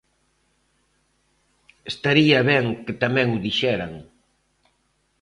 ¡Estaría ben que tamén o dixeran!